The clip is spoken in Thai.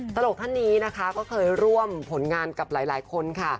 ตลกท่านนี้นะคะก็เคยร่วมผลงานกับหลายคนค่ะ